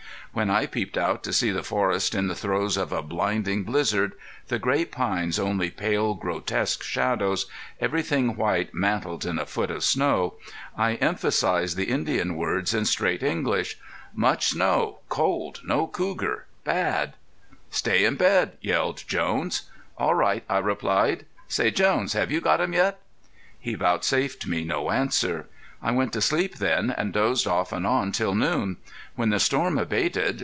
When I peeped out to see the forest in the throes of a blinding blizzard, the great pines only pale, grotesque shadows, everything white mantled in a foot of snow, I emphasized the Indian words in straight English. "Much snow cold no cougar bad!" "Stay in bed," yelled Jones. "All right," I replied. "Say Jones, have you got 'em yet?" He vouchsafed me no answer. I went to sleep then and dozed off and on till noon, when the storm abated.